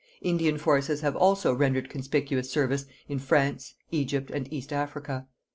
Indian forces have also rendered conspicuous service in France, Egypt and East Africa.